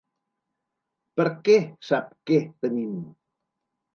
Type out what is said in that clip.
Per què sap què tenim?